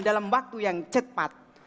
dalam waktu yang cepat